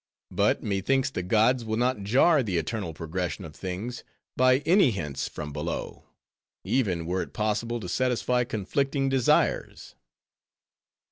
But methinks the gods will not jar the eternal progression of things, by any hints from below; even were it possible to satisfy conflicting desires."